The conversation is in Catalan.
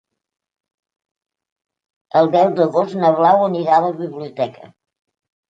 El deu d'agost na Blau anirà a la biblioteca.